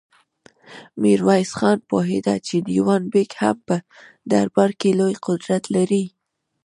ميرويس خان پوهېده چې دېوان بېګ هم په دربار کې لوی قدرت لري.